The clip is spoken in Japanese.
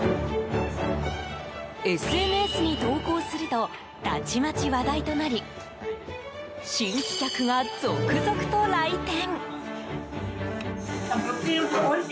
ＳＮＳに投稿するとたちまち話題となり新規客が続々と来店。